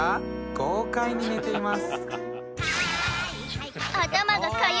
豪快に寝ています